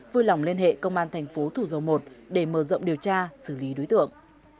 vui lòng liên hệ công an tp thủ dầu một để mở rộng điều tra xử lý đối tượng